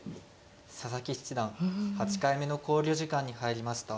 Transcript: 佐々木七段８回目の考慮時間に入りました。